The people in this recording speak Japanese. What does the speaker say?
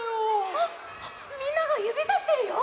あっみんながゆびさしてるよ！